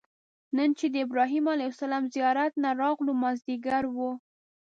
نن چې د ابراهیم علیه السلام زیارت نه راغلو مازیګر و.